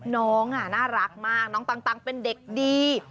น้องน่ารักมากน้องตังเป็นเด็กดี